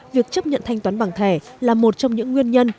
việc chấp nhận thanh toán bằng thẻ là một trong những nguyên nhân